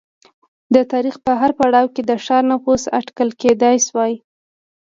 د تاریخ په هر پړاو کې د ښار نفوس اټکل کېدای شوای